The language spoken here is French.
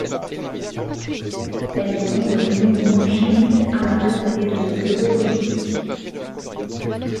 Elle est membre du mouvement chiite Amal et de son bureau politique.